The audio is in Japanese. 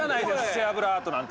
背脂アートなんて。